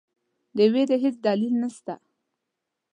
د وېرې هیڅ دلیل نسته.